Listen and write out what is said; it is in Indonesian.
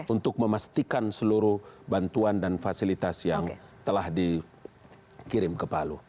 untuk memastikan seluruh bantuan dan fasilitas yang telah dikirim ke palu